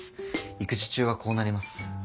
育児中はこうなります。